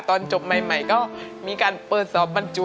ตอนจบใหม่ก็มีการเปิดสอบบรรจุ